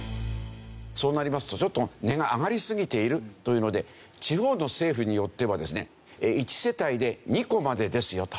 そうなりますとちょっと値が上がりすぎているというので地方の政府によってはですね「一世帯で２戸までですよ」と。